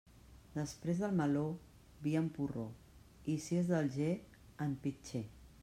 Després del meló, vi en porró, i si és d'Alger, en pitxer.